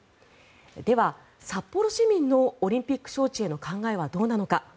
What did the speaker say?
では、札幌市民のオリンピック招致への考えはどうなのか。